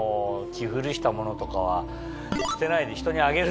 着古したものとかは捨てないで人にあげる。